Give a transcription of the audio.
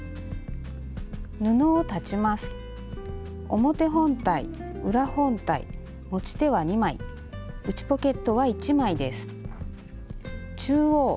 表本体裏本体持ち手は２枚内ポケットは１枚です。